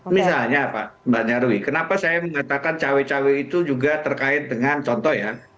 misalnya pak mbak nyarwi kenapa saya mengatakan cawe cawe itu juga terkait dengan contoh ya